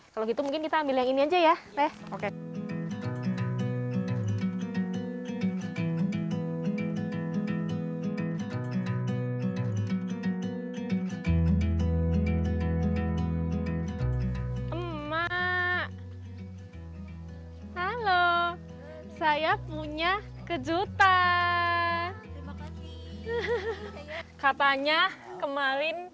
kalau gitu mungkin kita ambil yang ini aja ya deh oke emak halo saya punya kejutan katanya kemarin